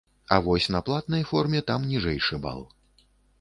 А вось на платнай форме, там ніжэйшы бал.